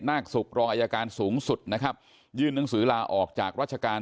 นาคศุกร์รองอายการสูงสุดนะครับยื่นหนังสือลาออกจากราชการ